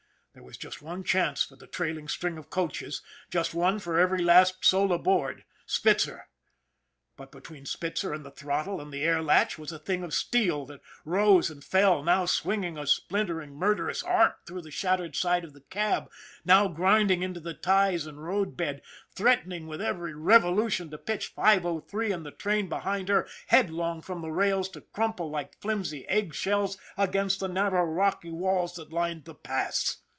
There was just one chance for the trailing string of coaches, just one for every last soul aboard Spitzer. But between Spitzer and the throttle and the air latch was a thing of steel that rose and fell, now swinging a splintering, murderous arc through the shattered side of the cab, now grinding into the ties and roadbed, threatening with /every revolution to pitch 503 and the train behind her headlong from the rails to crumple like flimsy egg shells against the narrow rocky walls that lined The Pass.